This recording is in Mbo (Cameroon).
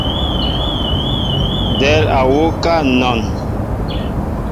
Del á wuká anɔn.